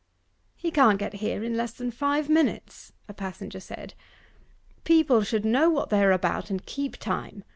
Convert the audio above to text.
'He can't get here in less than five minutes,' a passenger said. 'People should know what they are about, and keep time.